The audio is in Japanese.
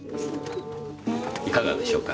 いかがでしょうか。